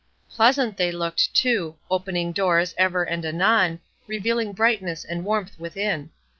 Pleasant they looked, too; opening doors, ever and anon, revealing brightness and warmth within.